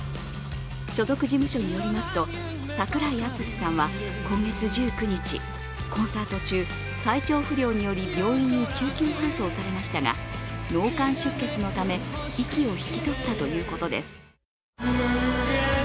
所属事務所によりますと、櫻井敦司さんは今月１９日、コンサート中、体調不良により病院に救急搬送されましたが、脳幹出血のため息を引き取ったということです。